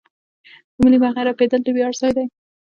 د ملي بیرغ رپیدل د ویاړ ځای دی.